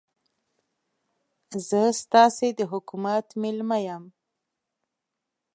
زه ستاسې د حکومت مېلمه یم.